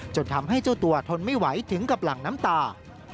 จนทำให้เจ้าตัวทนไม่ไหวถึงกับหลั่งน้ำตา